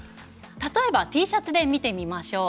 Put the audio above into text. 例えばＴシャツで見てみましょう。